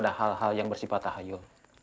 dan percaya kepada hal hal yang bersifat tahayyul